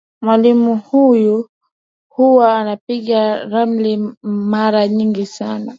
Mwalimu huyu huwa anapiga ramli mara nyingi sana.